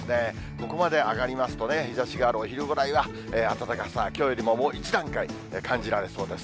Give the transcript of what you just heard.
ここまで上がりますとね、日ざしがあるお昼ぐらいは、暖かさ、きょうよりももう一段階感じられそうです。